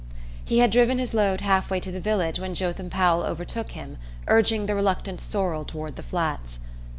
He had driven his load half way to the village when Jotham Powell overtook him, urging the reluctant sorrel toward the Flats.